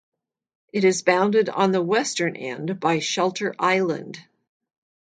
It is bounded on the western end by Shelter Island.